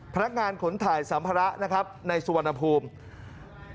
พนักงานขนถ่ายสัมภาระนะครับในสุวรรณภูมิ